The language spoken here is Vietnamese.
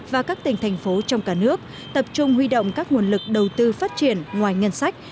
và các tỉnh thành phố trong cả nước tập trung huy động các nguồn lực đầu tư phát triển ngoài ngân sách